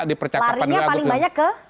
larinya paling banyak ke